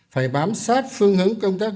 phải bám sát phương hướng công tác